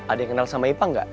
ada yang kenal sama ipang nggak